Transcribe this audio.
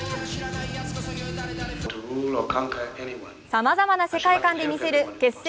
さまざまな世界観で見せる結成